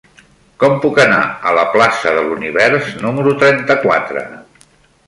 Com puc anar a la plaça de l'Univers número trenta-quatre?